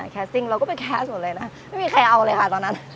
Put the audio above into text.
แคสติ้งเราก็ไปแคสหมดเลยนะไม่มีใครเอาเลยค่ะตอนนั้น